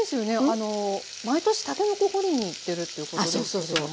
あの毎年たけのこ堀りに行ってるということですけども。